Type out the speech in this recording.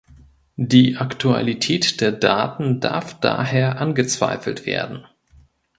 Die Aktualität der Daten darf daher angezweifelt werden.